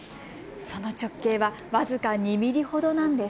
その直径は僅か２ミリほどなんです。